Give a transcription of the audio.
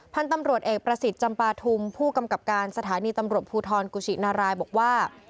พันธุ์ตำรวจเอกประสิทธิ์จำปาทุมผู้กำกับการสถานีตำรวจภูทรกุชินารายบอกว่า